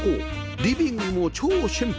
リビングも超シンプル